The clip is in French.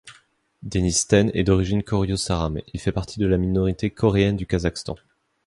Denis Ten est d'origine Koryo-saram, il fait partie de la minorité coréenne du Kazakhstan.